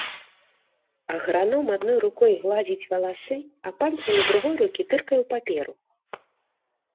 Аграном адной рукой гладзіць валасы, а пальцамі другой рукі тыркае ў паперу.